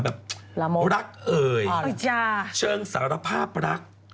ระมวลละเอ๋ยเชิงสารภาพรัก